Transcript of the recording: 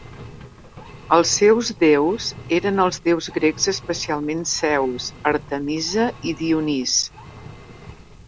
Els seus déus eren els déus grecs especialment Zeus, Artemisa i Dionís.